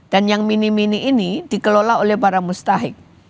dan yang mini mini ini dikelola oleh para mustahik